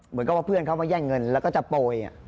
เหมือนกับว่าเพื่อนเขามาแย่งเงินแล้วก็จะโปรย